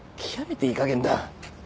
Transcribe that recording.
極めていいかげんだ。